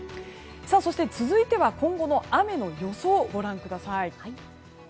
そして続いては今後の雨の予想をご覧ください。